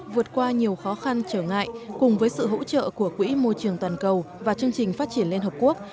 vượt qua nhiều khó khăn trở ngại cùng với sự hỗ trợ của quỹ môi trường toàn cầu và chương trình phát triển liên hợp quốc